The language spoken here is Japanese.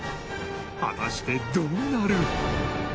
果たしてどうなる！？